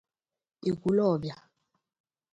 Ekwulọbịa